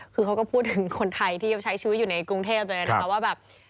คือเขาก็พูดถึงคนไทยที่จะใช้ชีวิตอยู่ในกรุงเทพเลยนะคะว่าแบบ